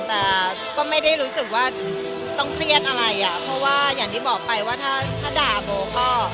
แต่ก็ไม่ได้รู้สึกว่าต้องเครียดอะไรอ่ะเพราะว่าอย่างที่บอกไปว่าถ้าถ้าด่าโบก็